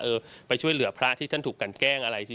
ไปช่วยเหลือพระที่ท่านถูกกันแกล้งอะไรสิ